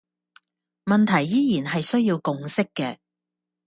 問題依然係需要共識嘅